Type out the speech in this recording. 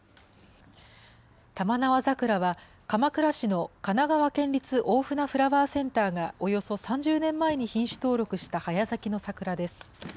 玉縄桜は鎌倉市の神奈川県立大船フラワーセンターがおよそ３０年前に品種登録した早咲きの桜です。